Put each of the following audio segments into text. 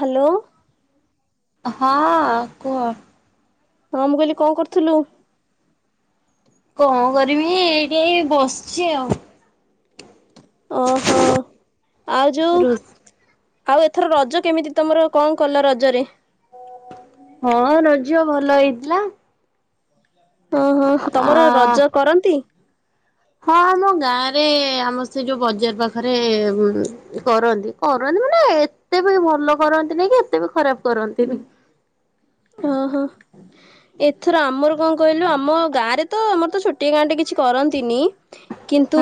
Hello. ହଁ କୁହ। ହଁ ମୁଁ କହିଲି କଣ କରୁଥିଲୁ। କଣ କରିମି ଏଇଠି ଏ ବସିଛି ଆଉ। ଓହୋ ଆଉ ଯୋଉ ରୋ ଆଉ ଏଥର ରଜ କେମିତି ତମର କଣ କଲ ରଜରେ। ହଁ ରଜ ଭଲ ହେଇଥିଲା। ଓ ହୋ ତମର ଆ ରଜ କରନ୍ତି। ହଁ ଆମ ଗାଁରେ ଆମର ସେ ଯୋଉ ବଜାର୍ ପାଖରେ କରନ୍ତି କରନ୍ତି। ମୋନେ ଏତେ ବି ଭଲ କରନ୍ତି ନାଇଁ କି ଏତେ ବି ଖରାପ କରନ୍ତିନି। ଓହୋ ଏଥର ଆମର କଣ କହିଲୁ ଆମ ଗାଁ ରେ ତ ଆମର ତ ଛୋଟିଆ ଗାଁ ଟେ କିଛି କରନ୍ତିନି କିନ୍ତୁ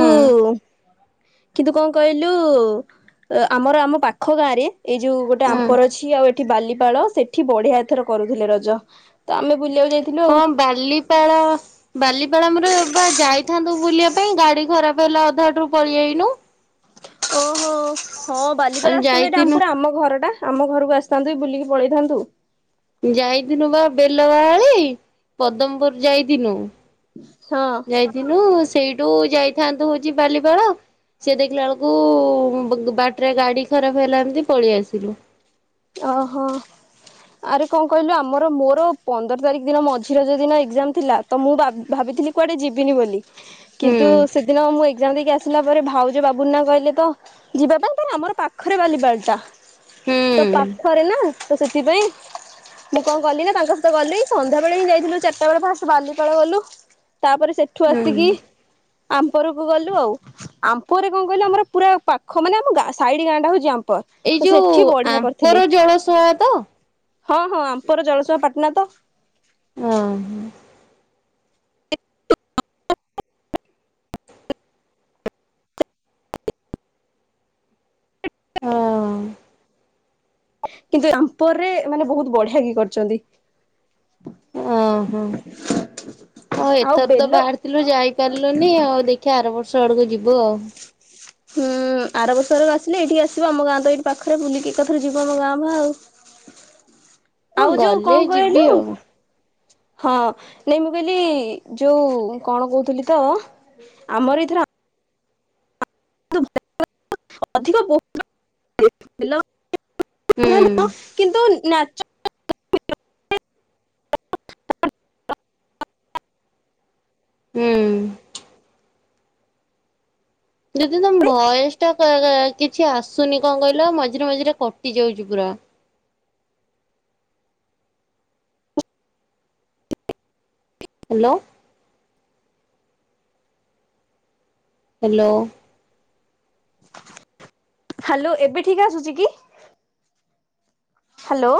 କିନ୍ତୁ କଣ କହିଲୁ। ଆମର ଆମ ପାଖ ଗାଁ ରେ ଏଇ ଯୋଉ ଗୋଟେ ଆମ୍ପର ଅଛି ଆଉ ଏଠି ବାଲିପାଳ ସେଠି ବଢ଼ିଆ ଏଥର କରୁଥିଲେ ରଜ ତ ଆମେ ବୁଲିବାକୁ ଯାଇଥିଲୁ ହଁ ଆଉ। ବାଲିପାଳ ବାଲିପାଳ ଆମର ବା ଯାଇଥାନ୍ତୁ। ବୁଲିବା ପାଇଁ ଗାଡ଼ି ଖରାପ ହେଲା ଅଧାବାଟରୁ ପଳାଆଇନୁ। ଓହୋ ହଁ ଆମେ ବାଲିପାଳ ଆସନ୍ତୁ ଏଇଠା ଆମ ଯାଇଥିନୁ ପୁରା ଆମ ଘର ଟା। ଆମ ଘରକୁ ଆସିଥାନ୍ତୁ ବୁଲିକି ପଳେଇଥାନ୍ତୁ। ଯାଇଥିନୁ ବା ବେଲବାହାଲି ପଦମପୁର ଯାଇଥିନୁ। ହଁ ଯାଇଥିନୁ ସେଇଠୁ ଯାଇଥାନ୍ତୁ ହଉଛି ବାଲିପାଳ। ସେ ଦେଖିଲା ବେଳକୁ ବାଟରେ ଗାଡ଼ି ଖରାପ ହେଲା ଏମତି ପଳେଇ ଆସିଲୁ। ଓହୋ। ଆରେ କଣ କହିଲୁ ଆମର ମୋର ପନ୍ଦର ତାରିଖ୍ ଦିନ ମଝି ରଜ ଦିନ ଏକ୍ଜାମ୍ ଥିଲା ତ ମୁଁ ଭା ଭାବିି କୁଆଡ଼େ ଯିବିନି ବୋଲି ହୁଁ କିନ୍ତୁ ସେଦିନ ମୁଁ ଏକ୍ଜାମ୍ ଦେଇକି ଆ ଆସିଲା ପରେ ଭାଉଜ ବାବୁନା କହିଲେ ତ ଯିବା ପାଇଁ ତ ଆମର ପାଖରେ ବାଲିପାଲଟା। ହୁଁ। ତ ସେଥିପାଇଁ ମୁଁ କଣ କଲି ନା ତାଙ୍କ ସହିତ ଗଲି ସନ୍ଧ୍ୟା ବେଳେ ହିଁ ଯାଇଥିଲୁ ଚାରିଟା ବେଳେ ଫାଷ୍ଟ୍ ବାଲିପାଳ ଗଲୁ। ତାପରେ ସେଠୁ ହୁଁ ଆସିକି ଆମ୍ପୋରକ ଗଲୁ ଆଉ ଆମ୍ପରେ କଣ କହିଲୁ ଆମର ପୁରା ପାଖ ମାନେ ଆମ ସାଇଡି଼ ଗାଁଟା ହଉଛି ଆମ୍ପ। ତ ସେଠି ବଢ଼ିଆ କ ଉପର ଜଳସୁଆ ତ। ହଁ ହଁ ଆମ୍ପପର ଜଳସୁଆ ପାଟଣା ତ। ହଁ । ହଁ। କିନ୍ତୁ ଆମ୍ପରରେ ମାନେ ବହୁତ୍ ବଢ଼ିଆ କି କରିଚନ୍ତି। ଓ ହୋ। ହଁ ଆଉ ଏଥର ତ ବେଲ ବାହାରିଥିଲୁ ଯାଇ ପାରିଲୁନି ଆଉ ଦେଖିଆ ଆର ବ ସାଡକୁ ଯିବୁ ଆଉ। ହୁଁ। ହୁଁ ଆର ବର୍ଷ ଆଡକୁ ଆସିଲେ ଏଇଠିକି ଆସିବ ଆମ ଗାଁ ତ ଏଇଠି ପାଖରେ ବୁଲିକି ଏକାଥର ଯିବ ଆମ ଗାଁ ଫାଁ ଆଉ। ହଁ ଆଉ ଯୋଉ କଁ ଗଲେ କହିଲୁ? ଯିବି ଆଉ ହଁ ନାଇଁ ମୁଁ କହିଲି ଯୋଉ କଣ କହୁଥିଲି ତ ଆମର ଏଥର ଅଧିକ ହୁଁ [unintelligible] କିନ୍ତୁ ନାଚ [unintelligible] ହୁଁ। ଦିଦି ତମ ଭଏସଟା କ କିଛି ଆସୁନି କଣ କହିଲ ମଝିରେ ମଝିରେ କଟି ଯାଉଛି ପୁରା। ଆ। ହ୍ୟାଲୋ। ହ୍ୟାଲୋ। ହାଲୋ ଏବେ ଠିକ ଆସୁଛି କି? ହ୍ୟାଲୋ।